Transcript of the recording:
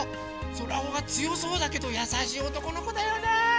空男がつよそうだけどやさしいおとこのこだよな！